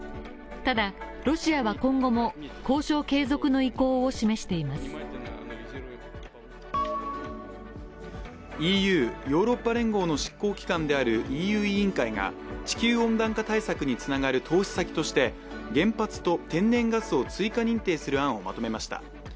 ただ、ロシアは今後も交渉継続の意向を示していますＥＵヨーロッパ連合の執行機関であるＥＵ委員会が、地球温暖化対策に繋がる投資先として、原発と天然ガスを追加認定する案をまとめました。